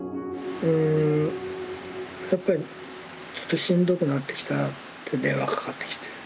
やっぱりちょっとしんどくなってきたって電話かかってきて。